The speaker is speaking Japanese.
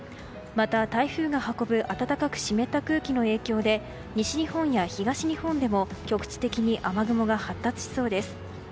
また、台風が運ぶ暖かく湿った空気の影響で西日本や東日本でも局地的に雨雲が発達しそうです。